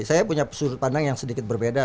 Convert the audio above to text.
saya punya sudut pandang yang sedikit berbeda